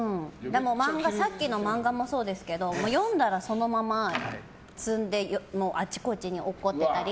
さっきの漫画もそうですけど読んだらそのまま積んであちこちに落っこちてたり。